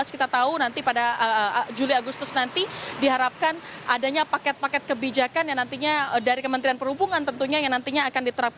kita tahu nanti pada juli agustus nanti diharapkan adanya paket paket kebijakan yang nantinya dari kementerian perhubungan tentunya yang nantinya akan diterapkan